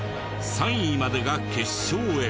３位までが決勝へ。